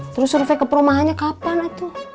terus survei ke perumahannya kapan itu